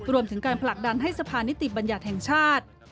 รวมถึงการผลักดันให้สะพานิติบัญญัติแห่งชาติ